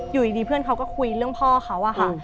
อยู่ดีเพื่อนเขาก็คุยเรื่องพ่อเขาอะค่ะ